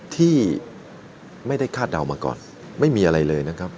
ที่ไม่ได้คาดเดามาก่อนไม่มีอะไรเลยนะครับ